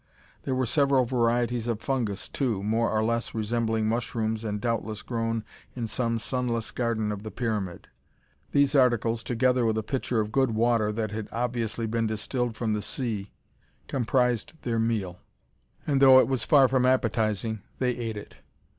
There were several varieties of fungus, too, more or less resembling mushrooms and doubtless grown in some sunless garden of the pyramid. These articles, together with a pitcher of good water that had obviously been distilled from the sea, comprised their meal, and though it was far from appetizing, they ate it.